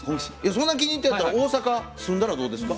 そんな気に入ったんやったら大阪住んだらどうですか？